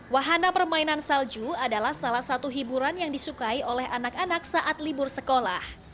wahana permainan salju adalah salah satu hiburan yang disukai oleh anak anak saat libur sekolah